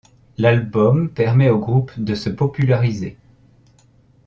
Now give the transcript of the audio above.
L'album permet au groupe de se populariser.